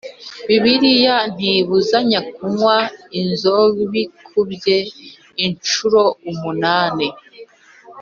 Bibiliya ntibuzanya kunywa inzobikubye incuro umunani